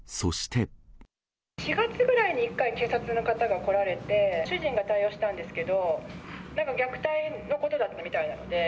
４月ぐらいに一回、警察の方が来られて、主人が対応したんですけど、なんか虐待のことだったみたいなので。